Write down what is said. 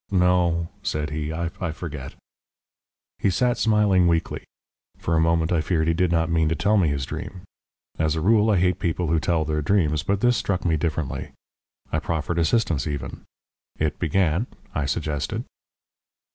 "No," said he, "I forget." He sat smiling weakly. For a moment I feared he did not mean to tell me his dream. As a rule I hate people who tell their dreams, but this struck me differently. I proffered assistance even. "It began " I suggested.